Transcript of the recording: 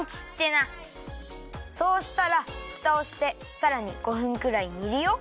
そうしたらフタをしてさらに５分くらい煮るよ。